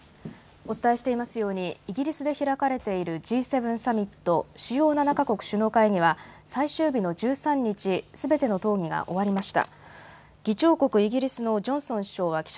お伝えしていますようにイギリスで開かれているＧ７サミット＝主要７か国首脳会議は最終日の１３日すべての討議が終わりました。